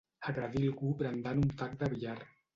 Agredir algú brandant un tac de billar.